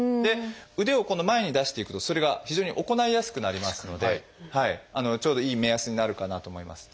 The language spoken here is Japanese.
腕を今度前に出していくとそれが非常に行いやすくなりますのでちょうどいい目安になるかなと思います。